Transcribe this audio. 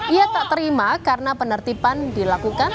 ia tak terima karena penertiban dilakukan